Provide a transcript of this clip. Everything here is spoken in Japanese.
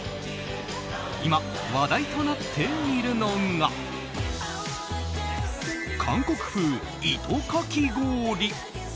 今、話題となっているのが韓国風糸かき氷。